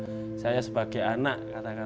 serat juga saya sebagai anak